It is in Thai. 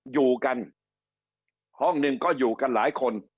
อยู่กันห้องหนึ่งก็อยู่กันหลายคน